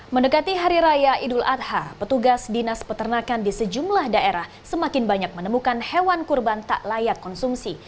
mendekati hari raya idul adha petugas dinas peternakan di sejumlah daerah semakin banyak menemukan hewan kurban tak layak konsumsi